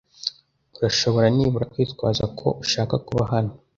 Urashobora nibura kwitwaza ko ushaka kuba hano?